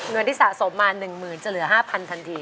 เงินที่สะสมมา๑๐๐๐จะเหลือ๕๐๐ทันที